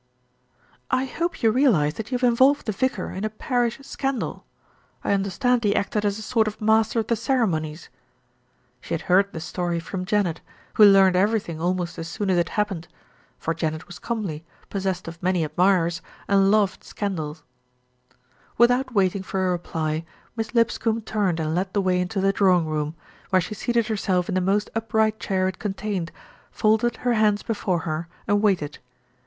"I hope you realise that you have involved the vicar in a parish scandal. I understand he acted as a sort of master of the ceremonies." She had heard the story from Janet, who learned everything almost as soon as it happened; for Janet was comely, possessed of many admirers, and loved scandal. Without waiting for a reply, Miss Lipscombe turned and led the way into the drawing room, where she seated herself in the most upright chair it contained, folded her hands before her, and waited.